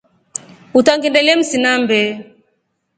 Utangindelye msinambe.